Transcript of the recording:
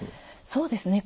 そうですね。